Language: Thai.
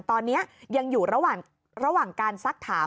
ตอนนี้ยังอยู่ระหว่างการซักถาม